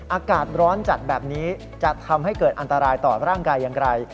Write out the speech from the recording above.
อากาศร้อนจัดแบบนี้จะทำให้เกิดอันตรายต่อร่างกายอย่างไร